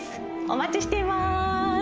お待ちしています！